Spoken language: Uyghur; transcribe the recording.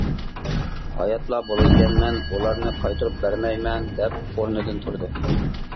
ھاياتلا بولىدىكەنمەن، ئۇلارنى قايتۇرۇپ بەرمەيمەن، -دەپ ئورنىدىن تۇردى.